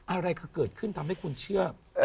อะไรคือเกิดขึ้นทำให้คุณเชื่อ